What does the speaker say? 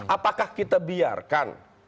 apakah kita biarkan